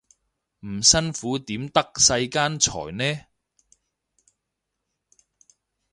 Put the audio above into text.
唔辛苦點得世間財呢